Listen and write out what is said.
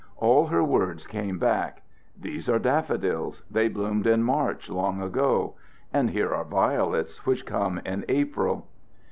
All her words came back: "These are daffodils. They bloomed in March, long ago.... And here are violets, which come in April."